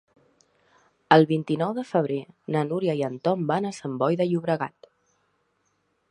El vint-i-nou de febrer na Núria i en Tom van a Sant Boi de Llobregat.